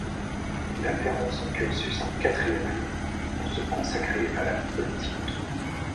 Il interrompt son cursus en quatrième année pour se consacrer à la politique.